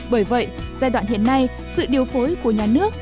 bởi vậy giai đoạn hiện nay sự điều phối của nhà nước